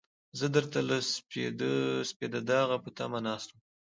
زه درته له سپېده داغه په تمه ناست وم.